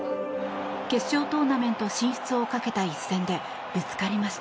決勝トーナメント進出をかけた一戦でぶつかりました。